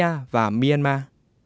bảng a và myanmar